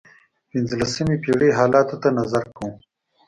پنځلسمې پېړۍ حالاتو ته نظر کوو.